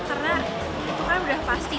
karena itu kan sudah pasti